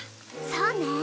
そうね。